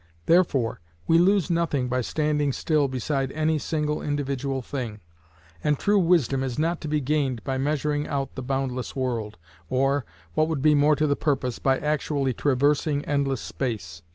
Therefore we lose nothing by standing still beside any single individual thing, and true wisdom is not to be gained by measuring out the boundless world, or, what would be more to the purpose, by actually traversing endless space.